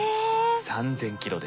３，０００キロです。